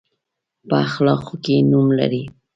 په اخلاقو کې نوم لري.